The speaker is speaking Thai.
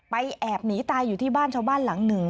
แอบหนีตายอยู่ที่บ้านชาวบ้านหลังหนึ่ง